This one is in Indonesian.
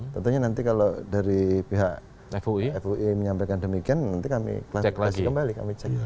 tentunya nanti kalau dari pihak fui menyampaikan demikian nanti kami klarifikasi kembali kami cek